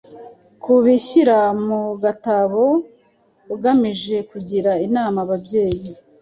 kubishyira mu gatabo agamije kugira inama ababyeyi